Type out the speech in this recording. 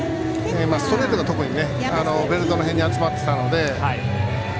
ストレートが特にねベルトの辺に集まっていたので。